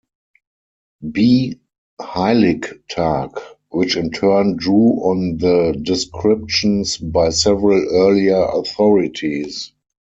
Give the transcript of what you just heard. B. Heiligtag, which in turn drew on the descriptions by several earlier authorities.